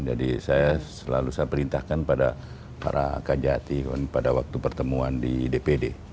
jadi saya selalu saya perintahkan pada para kajati pada waktu pertemuan di dpd